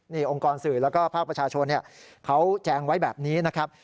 นี่องค์กรสื่อแล้วก็ภาคประชาชนเขาแจงไว้แบบนี้นะครับ